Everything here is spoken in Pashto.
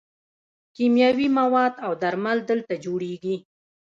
کیمیاوي مواد او درمل دلته جوړیږي.